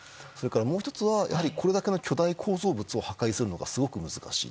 もう１つは、これだけの巨大構造物を破壊するのがすごく難しい。